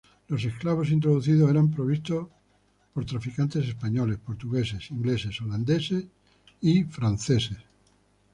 Los esclavos introducidos eran provistos por traficantes españoles, portugueses, ingleses, holandeses y franceses.